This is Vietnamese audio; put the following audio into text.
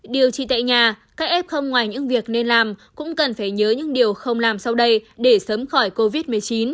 điều trị tại nhà các em không ngoài những việc nên làm cũng cần phải nhớ những điều không làm sau đây để sớm khỏi covid một mươi chín